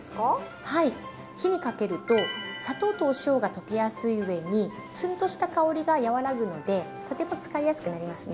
火にかけると砂糖とお塩が溶けやすい上にツンとした香りが和らぐのでとても使いやすくなりますね。